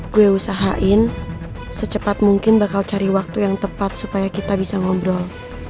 gue usahain secepat mungkin bakal cari waktu yang tepat supaya kita bisa ngobrol